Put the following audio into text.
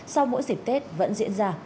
sau mỗi dịp tết vẫn diễn ra